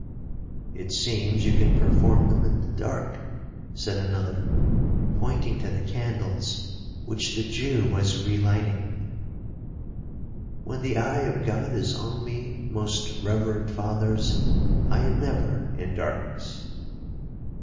'—'It seems you can perform them in the dark,' said another, pointing to the candles, which the Jew was re lighting.—'When the eye of God is on me, most reverend fathers, I am never in darkness.'